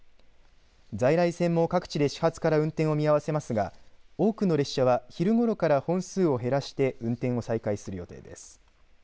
在来線も各地で始発から運転を見合わせますが多くの列車は昼頃から本数を減らして運転を再開する予定です。